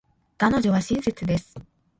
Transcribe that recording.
彼女は親切です。